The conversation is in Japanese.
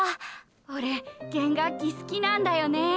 オレ弦楽器好きなんだよねー。